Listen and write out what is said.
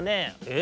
「え？